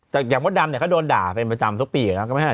แต่อย่างพวกดำเนี่ยเขาโดนด่าเป็นประจำทุกปีก็ไม่ใช่หรอก